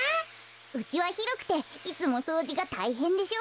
うちはひろくていつもそうじがたいへんでしょ。